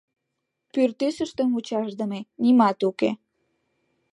Пӱртӱсыштӧ мучашдыме нимат уке.